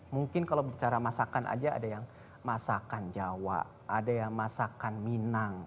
mungkin kalau bicara masakan aja ada yang masakan jawa ada yang masakan minang